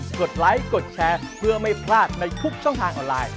กดไลค์กดแชร์เพื่อไม่พลาดในทุกช่องทางออนไลน์